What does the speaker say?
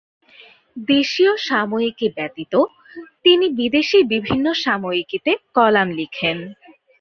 দেশিয় সাময়িকী ব্যতীত তিনি বিদেশী বিভিন্ন সাময়িকীতে কলাম লিখেন।